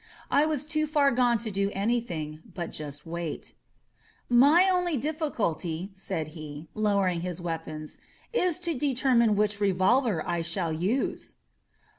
I was too far gone to do anything but just wait. "My only difficulty," said he, lowering his weapons, is to determine which revolver I shall use."